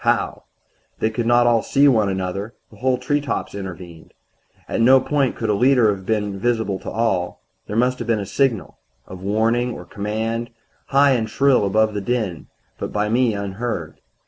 How? They could not all see one another whole treetops intervened. At no point could a leader have been visible to all. There must have been a signal of warning or command, high and shrill above the din, but by me unheard.